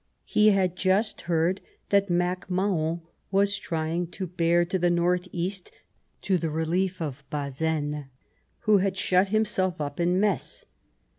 He had just heard that MacMahon was trying to bear to the north east, to the relief of Bazaine, who had shut himself up in Metz.